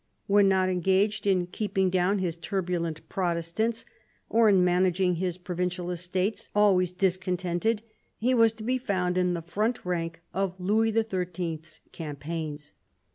When not engaged in keeping down his turbulent Protestants or in managing his provincial Estates, always discontented, he was to be found in the front rank of Louis XIII.'s campaigns.